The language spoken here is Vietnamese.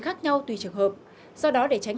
khác nhau tùy trường hợp do đó để tránh